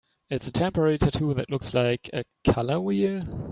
It's a temporary tattoo that looks like... a color wheel?